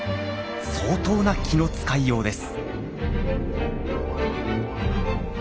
相当な気の遣いようです。